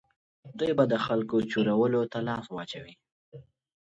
دوی به د خلکو چورولو ته لاس واچوي.